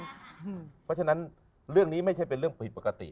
เพราะฉะนั้นเรื่องนี้ไม่ใช่เป็นเรื่องผิดปกติ